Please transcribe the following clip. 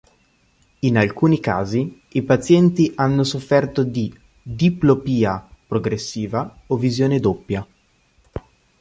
In alcuni casi, i pazienti hanno sofferto di diplopia progressiva o visione doppia.